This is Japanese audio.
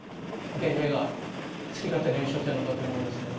米兵が好き勝手に演習してるのかというのがですね